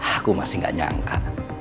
aku masih gak nyangka